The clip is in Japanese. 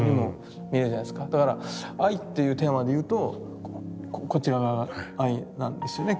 だから「愛」っていうテーマで言うとこちら側が愛なんですよねきっと。